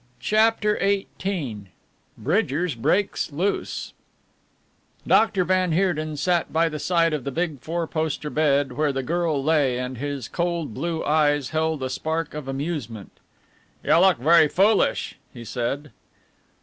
CHAPTER XVIII BRIDGERS BREAKS LOOSE Dr. van Heerden sat by the side of the big four poster bed, where the girl lay, and his cold blue eyes held a spark of amusement. "You look very foolish," he said.